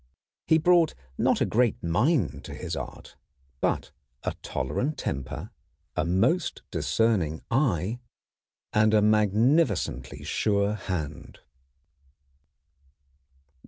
He brought not a great mind to his art, but a tolerant temper, a most discerning eye, and a magnificently sure hand.